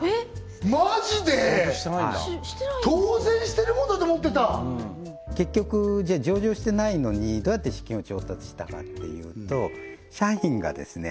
当然してるもんだと思ってた結局じゃあ上場してないのにどうやって資金を調達したかっていうと社員がですね